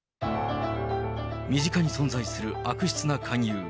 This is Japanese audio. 身近に存在する悪質な勧誘。